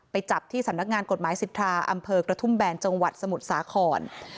จับที่สำนักงานกฎหมายสิทธาอำเภอกระทุ่มแบนจังหวัดสมุทรสาคร